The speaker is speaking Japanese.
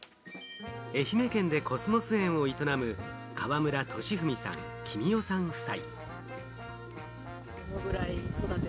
愛媛県でコスモス園を営む、河村俊文さん・キミヨさん夫妻。